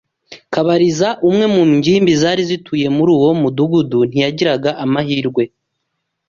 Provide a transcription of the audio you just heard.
Kabayiza umwe mu ngimbi zari zituye muri uwo mudugudu ntiyagiraga amahirwe